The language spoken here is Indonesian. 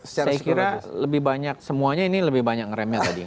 saya kira lebih banyak semuanya ini lebih banyak ngeremnya tadi